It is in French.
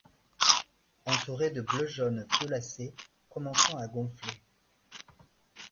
Entouré de bleu-jaune-violacé commençant à gonfler.